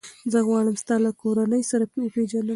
زه غواړم ستا له کورنۍ سره وپېژنم.